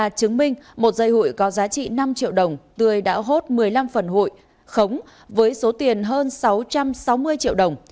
chứng minh một dây hụi có giá trị năm triệu đồng tươi đã hốt một mươi năm phần hội khống với số tiền hơn sáu trăm sáu mươi triệu đồng